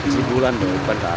sebulan dong bukan hari